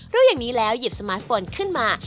รู้อย่างนี้แล้วหยิบสมาร์ทโฟนขึ้นมา